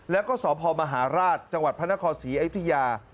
แล้วก็สพมหาราชจังหวัดพระนครศรีอยุธยา